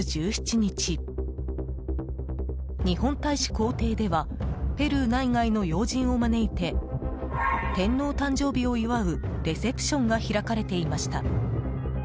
日本大使公邸ではペルー内外の要人を招いて天皇誕生日を祝うレセプションが開かれていました。